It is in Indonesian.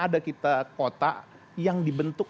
ada kita kota yang dibentuk